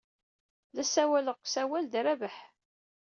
La ssawaleɣ deg usawal ed Rabaḥ.